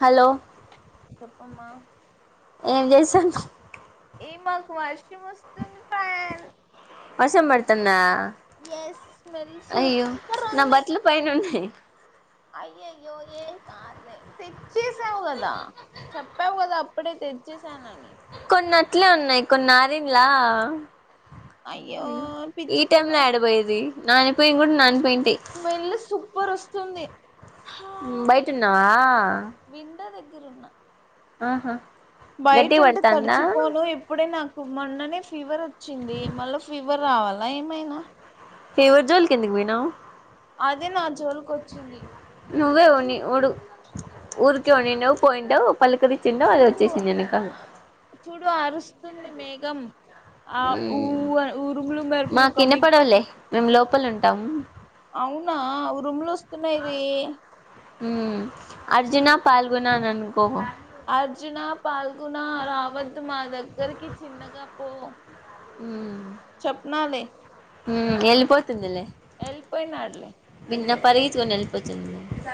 Hello చెప్పమ్మా నే చేసాను ఏ మాకు వర్షం వస్తుంది ప్యాన్ వర్షం పడుతుందా ఎస్ స్మెల్ అయ్యో సూపర్ నా ఉంది బట్టలు పైన ఉన్నాయి అయ్యయ్యో ఏ కార్వే తెచ్చేసావు కదా చెప్పావు కదా అప్పుడే తెచ్చేసానని కొన్ని అట్లే ఉన్నాయి కొన్ని అరినల్ అయ్యో ఈ పిచ్చి టైమ్ లో ఫెలో ఏడబోయేది నానిపోయి ఇం కూడా నన్ స్మెల్ సూపర్ వస్తు స్తుంది బయట ఉన్నావా ఎ దగ్గర ఉన్నా ఆహా బయట గట్టిగా ఉంట పడతాందా తడిచిపోను ఇప్పుడే నా కు మొన్ననే ఫీవర్ వచ్చింది మళ్ళా ఫీవర్ రావాలా ఏమైనా ఫీవర్ జోలీకి ఏదుకు పోయినావ్ అదే నా జోలికి వచ్చింది నువ్వే ఉన్ని చూడు ఓడు ఉఊరుకి ఉ నిడి పోయింటవు పల్లు కరిచ్చిండ అది చూడు వచ్చేసినకదు స్తుంది మేఘం ఆ ఊ ఊరుములు మేరుపులు మాకు కమి వినపడవులే మేము లోపల ఉంటాము అవునా రూమ్లు వస్తున్నాయి అర్జునా పాల్గొనా అనుకో అర్జున పాల్గొన రావత్ మా దగ్గరికి చిన్నగా పో హ్మ్ చెప్నాలే హ్మ్ ఎల్లి పోతుందిలే వెళ్ళిపోయినాడులే వి పరిగెత్తుకోని ఎలిపోద్ది.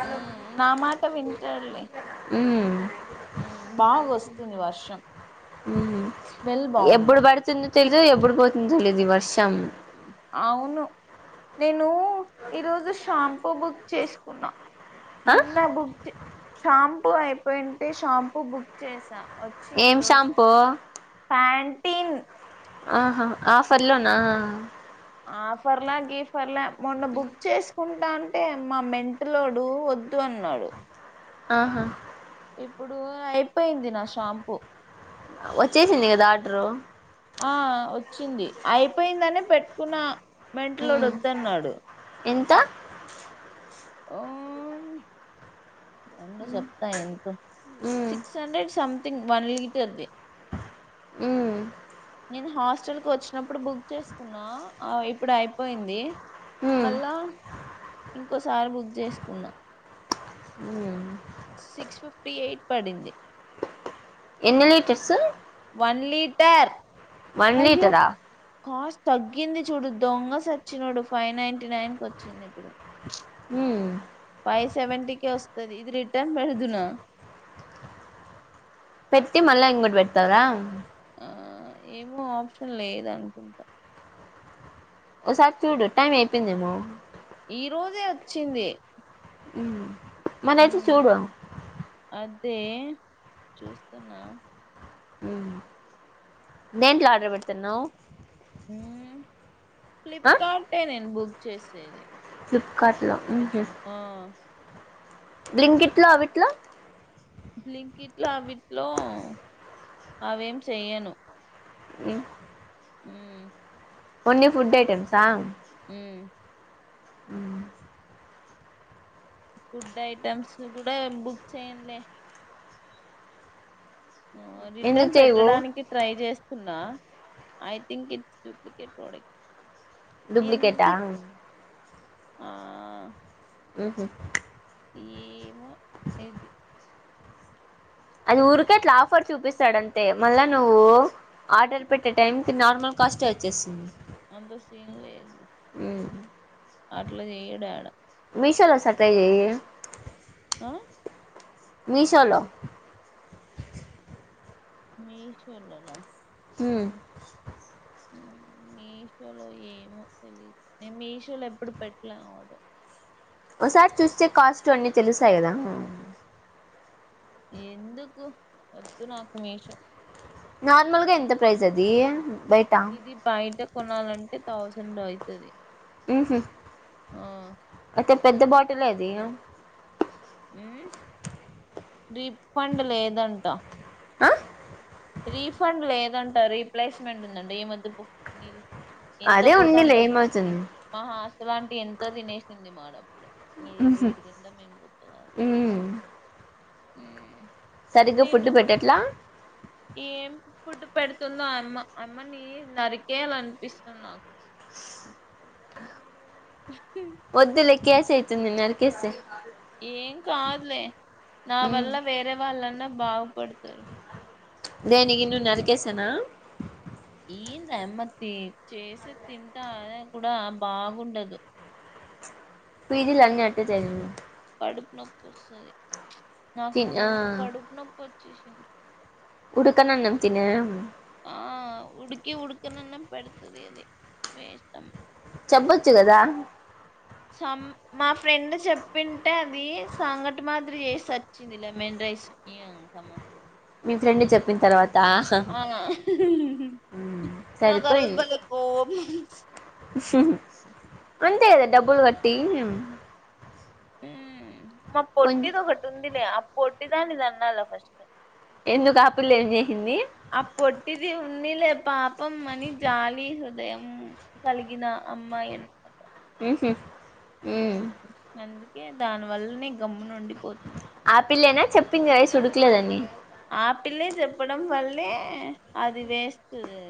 ఉమ్ నా మాట వింటాడులే హ్మ్ బాగా వస్తుంది వర్షం. హ్మ్ స్మెల్ బాగుంది ఎప్పుడు పడుతుంది. తెలీదు ఎప్పుడు పోతుంది తెలీదు ఈ వర్షం. అవును నేను నువ్ ఈ రోజు షాంపూ బుక్ చేసుకు ఉన్నా ఆ నిన్న బుక్ జే షాంపూ అయిపోయింటే షాంపూ బుక్ చేసా. వచ్చింది ఏం ఈరోజు షాంపూ ప్యాంటీన్ ఆహా ఆఫర్ లోనా ఆఫర్లే గీఫర్లే మొన్న బుక్ చేసుకుం ట అంటే మా మెంటలోడు వద్దు అన్నాడు. ఆహా ఇప్పుడూ అయిపోయింది నా షాంపూ వచ్చేసింది కదా ఆర్డర్ అయిపోయిందని పెట్టుకున్నా. మెంటలోడు వద్దన్నాడు. త మ్మ్ ఉండు చెప్తా ఎంతో ఉమ్ సిక్స్ హండ్రెడ్ సం అది వన్ లీటర్ది ఉమ్ నేను హాస్టల్ కు వచ్చినప్పుడు బుక్ చేసుకున్నా ఆ ఇప్పుడు అయిపోయింది. ఉమ్ మళ్ళా ఇంకోసారి బుక్ చేసుకున్నా. హ్మ్ సిక్స్ ఫిఫ్టీ ఎయిట్ పడింది. ఎన్ని లీటర్సు వన్ లీటర్ వన్ అయ్యో లీటరా కాస్ట్ తగ్గింది చూడు దొంగ సచ్చినోడు ఫైవ్ నైన్టీ నైన్ కి వచ్చింది. ప్చ్ హ్మ్ అది ఇది రిటర్న్ పెడదునా పెట్టి మళ్ళా ఇంకోటి పెడతరా ఆ ఏమో ఆప్షన్ లేదు అనుకుంటా ఓసారి చూడు టైం అయిపోయిందేమో ఈ రోజే వచ్చింది మ్మ్ మనేతే చూడు తే దేంట్లో ఆర్డర్ పెడుతున్నావ్ ఫ్లిప్ ఆ కార్టే నేను బుక్ చేసేది ఫ్లిప్కార్ట్లో ఆ బ్రింక్ ఇట్లా అవిట్లా బ్లింక్ ఇట్లా అవిట్లో అవేం చెయ్యను మ్మ్ హ్మ్ ఉన్ని ఫుడ్ ఐటెమ్ సా మ్మ్ మ్మ్ ఫుడ్ ఐటమ్స్ కూడా బుక్ చేయ్యంలే ఎందుకు రిటర్న్ చేయవు పెట్టడానికి ట్రై చేస్తున్నా I think it's duplicate product డూప్లికేటా ఇందు ఆ ఉహు ఈ ఇది అది ఊరికే అట్లా ఆఫర్ చూపిస్తాడంతే మళ్ళా నువ్వు ఆర్డర్ పెట్టే టైం ఇది నార్మల్ కాస్టే వచ్చేసింది అంత సీన్ లేదు అట్లా చేయుడేడా మీ షోల సట్ట చే ఆ మీషోలో మీషోలోనా హ్మ్ మీషోలో ఏమో తెలిదు నేను మీషోలో ఎప్పుడు పెట్టలే ఆర్డర్, ఓసారి చూస్తే కాస్ట్ అన్నీ తెలుస్సాయి కదా ఎందుకు వద్దునాకు మీషో నార్మల్గా ఎంత ప్రైజ్ అది ఇది బయట బయట కొనాలంటే థౌసండ్ అవుతుది ఉహమ్ ఆహ్ పెద్ద బాటల్ ఎహ్ ఆది హమ్ రిఫండ్ లేదంటా ఆహ్ రీఫండ్ లేదంట రీప్లేస్మెంట్ ఉందంటా ఎం ఒద్దు పో నీలి అదే ఉన్నీలే ఏమవుతుంది ఇలాంటి ఎంత తినేసింది మడం ఎహ్ ఉహు వీడు తిండం ఏం బొక్క కాదు ఉమ్ హమ్ సరిగ్గా ఫుడ్డు పెట్టట్లా ఫుడ్టు పెడుతుంది ఆయమ్మ అమ్మని నరికేయాల అనిపిస్తుంది నాకు [unintelligible] [inaudible] కేసు యితుంది నరికేస్తే ఏం కాదులే నా ఉమ్ వల్ల వేరే వాళ్ళన్నా భాగు పడతరూ దీనికి నవు నరికేస్తేనా ఏంది ఆయమ్మ తే చేసే తింటా అయైన కూడా బాగుండదు పీజీలు అని అంటే జాయిన్ కడుపు నొప్పిస్తంది నాకు తిన్ ఆ మొన్న కడూపూ నొప్పి ఓ చేసేది ఉడుకనానం తిన ఆహ్ ఉడికి ఉడకననం పెడతాది అదే వేష్టమా చెప్పొచ్చు కదా సం మా ఫ్రెండ్ చెప్పింటే అది సాంగట మాదిరి చేసి సచ్చింది లెమన్ రైస్ నియకామ్మా మీ ఫ్రెండ్ చెప్పిన తర్వా ఆహ్ నాకు రోజు సరిపోయింది బలే కోపం వచ్చి అంతే కాద డబ్బులు కట్టి హమ్ మ కొం పొట్టీది ఒకటి ఉందిలే పోటీదాని తన్నల ఫస్ట్ ఎందుకు ఆహ్ పిల్ల ఏం చేసింది పా పం అని జాలి హృదయం కలిగిన అమ్మాయి అన్న మాట [inaudible] ఉమ్ హ్మ్ అంది ఏ దాని వల్లనే గమ్మునుండి ఆపిల్లేనా చెప్పింది రైస్ ఉడుకులేదని ఆపిల్లే చెప్పడం వల్లే అది వేస్టుది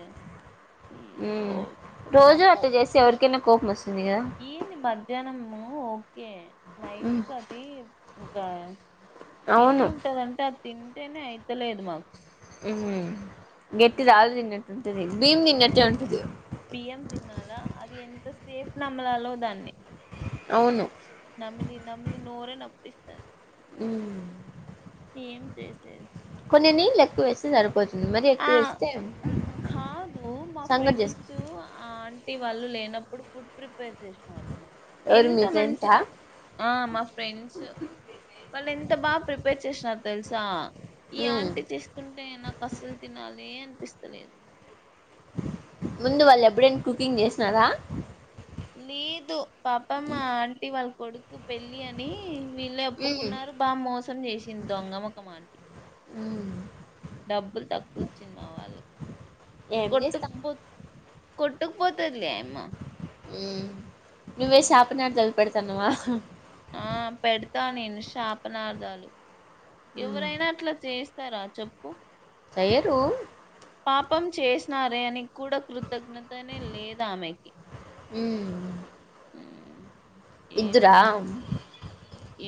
రోజూ అట్ట జెస్తే ఎరికైనా కోప్మస్ ఏంది మర్ ధ్యాహ్నము కే ఉమ్ నైట్కి అది ఇంకా అవును ఎట్లుంటదంటే అది తింటేనే అయితలేదు మాకు హ్మ్ గెట్దిది ఆల్ది తిన్నట్టు ఆ బియ్యం తిన్నాల అది ఎంత సే నమ్మలలో దాన్ని అవును నమ్మిలి నమ్లి నోరే నప్పిస్ [unintelligible] ఉమ్ ఏం చేసే నేను ఈ లెక్కు వేస్తే సరిపో ఉమ్ కాదు మా సంగటి చేసు ఫ్రెండ్స్ ఆన్ టీ వాళ్ళు లేనప్పుడు ఫుడ్ ప్రిప్ పేర్ చేసినారు ఎవరు ఎంత మీ మంచి ఫ్రెండ్సా ఆ మా ఫ్రెండ్స్ వాళ్ళు ఎంత బా ప్రిపేర్ చేసినారు తెలుసా ఈ ఉమ్ ఆంటీ తీస్కుంటే నాకు అసలు అలే అన్పిస్తలేదు ముందు వాళ్ళు ఎబ్బుడైనా కుకింగ్ చేసినారా లేదు పాపం ఆ ఆంటీ వాళ్ కొడు కు పెళ్ళి అని వీళ్ళే ఉమ్ ఒప్పుకున్నారు బా మోసం చేసింది దొంగ మొఖం ఆంటి ఉమ్ డబ్బులు తక్కువ ఇచ్చింది మా వాళ్ళకి ఏం కొట్టుక్ చేస్తాం పో కొట్టుకు పోతాది లే ఆ యమ్మ ఊ నువ్వే శాపనార్దాల్ పెడతన్నవా ఆ పెడతా నేను శాపనార్థాలు ఉమ్ ఎవరైనా అట్లా చేస్ ఇస్తర చెప్పు చెయరు పాపం చేసినారే అని కూడా కృ కృతజ్ఞతనే లేదు ఆమెకి ఉమ్ ఉమ్, ఇద్దురా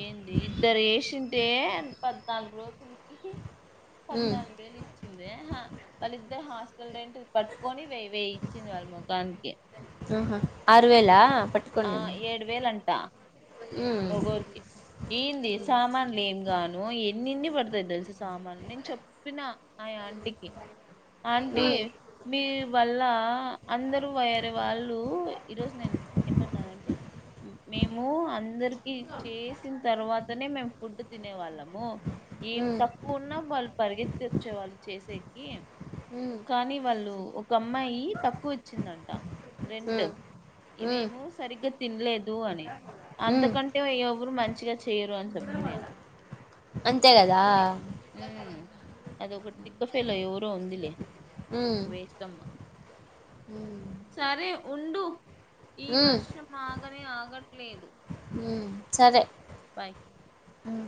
ఏంటి ఇద్దరు వేషింటే పద్నాలుగు రోజులుకి ఉమ్ పద్నాలుగు వేలు ఇచ్చిందే హా వాళ్ళిద్దరు హాస్ టల్ రెంటు పట్టుకొని వెయి వేయి ఇచ్చింది వాళ్ళ ముఖానికి ఆహా ఆరు వేలా పట్టుకోండి ఆ నేను ఏడు వేలంట ఒకోరికి ఏంది సామాన్లు ఏం గాను ఏం ఎన్ని ఇన్ని పడతాయి తెలిసా సామానులు నేను చెప్పిన ఆ ఆంటికి ఆంటీ మ్మ్ మీ వల్ల అందరూ వేరే వాళ్ళు ఈరోజు నేను ఏమన్నాను అంటే మేము అం ఇది చేసిన తర్వా తనే మేము ఫుడ్ తినే వాళ్ళం మో ఏం మ్మ్ తక్కువ ఉన్నా వాళ్ళు పరిగెత్తి వచ్చేవాళ్ళు చేసే హీ మ్మ్ కానీ వాళ్ళు ఒక అమ్మాయి తక్కువ ఇచ్చిందంట రెంట్ మ్మ్ మ్మ్ మేము సరిగ్గా తినలేదు అని మ్మ్ అంతకన్ ఊరు మంచిగా చేయరు అని చెప్తి నేను అంతే కదా అది ఒకటి తిక్క ఫేలో ఎవరో ఉందిలే మ్మ్ వేస్ట్ అమ్మ సరే ఉండు ఈ మ్మ్ వర్షం ఆగనే ఆగట్లేదు సరే బాయ్ ఊ